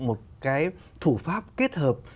một cái thủ pháp kết hợp